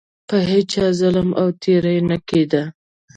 په هیچا ظلم او تیری نه کېده.